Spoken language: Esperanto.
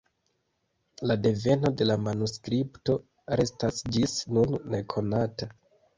La deveno de la manuskripto restas ĝis nun nekonata.